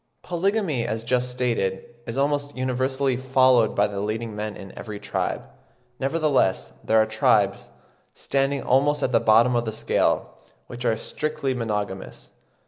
Polygamy, as just stated, is almost universally followed by the leading men in every tribe. Nevertheless there are tribes, standing almost at the bottom of the scale, which are strictly monogamous.